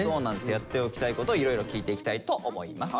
やっておきたいこといろいろ聞いていきたいと思います。